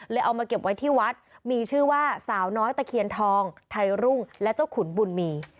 เอามาเก็บไว้ที่วัดมีชื่อว่าสาวน้อยตะเคียนทองไทยรุ่งและเจ้าขุนบุญมี